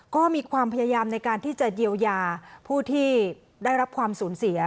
ก็มีความพยายามในการที่จะเยียวยาผู้ที่ได้รับความสูญเสีย